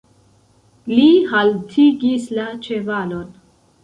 Li haltigis la ĉevalon.